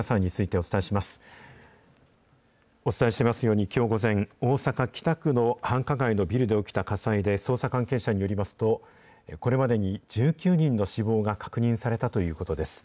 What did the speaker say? お伝えしていますように、きょう午前、大阪・北区の繁華街のビルで起きた火災で、捜査関係者によりますと、これまでに１９人の死亡が確認されたということです。